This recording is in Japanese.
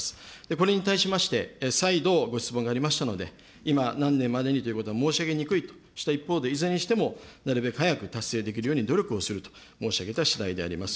これに対しまして、再度ご質問がありましたので、今、何年までにということは申し上げにくいとした一方で、いずれにしてもなるべく早く達成できるように努力をすると申し上げたしだいであります。